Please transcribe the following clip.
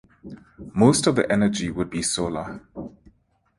Most of the energy would be solar.